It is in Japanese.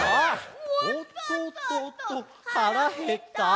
「おっとっとっと腹減った」